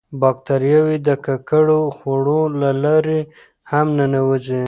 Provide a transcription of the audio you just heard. باکتریاوې د ککړو خوړو له لارې هم ننوځي.